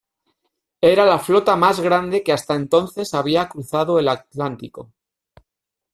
Era la flota más grande que hasta entonces había cruzado el Atlántico.